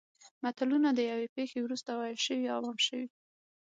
متلونه د یوې پېښې وروسته ویل شوي او عام شوي